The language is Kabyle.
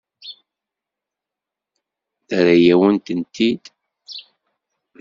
Terra-yawen-tent-id.